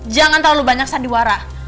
jangan terlalu banyak sandiwara